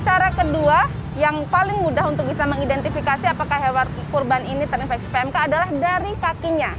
cara kedua yang paling mudah untuk bisa mengidentifikasi apakah hewan kurban ini terinfeksi pmk adalah dari kakinya